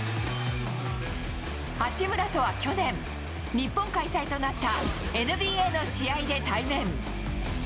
八村とは去年、日本開催となったＮＢＡの試合で対面。